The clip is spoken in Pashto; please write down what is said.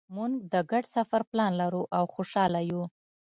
مونږ د ګډ سفر پلان لرو او خوشحاله یو